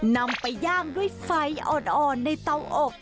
นำไปย่างด้วยไฟอ่อนในเตาอบ